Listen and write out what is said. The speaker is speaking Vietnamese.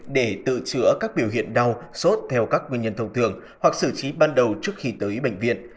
để tự chữa các biểu hiện đau sốt theo các nguyên nhân thông thường hoặc xử trí ban đầu trước khi tới bệnh viện